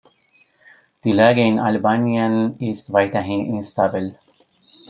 Die Lage in Albanien ist weiterhin instabil.